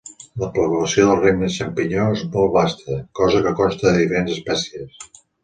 La població del Regne Xampinyó és molt vasta, cosa que consta de diferents espècies.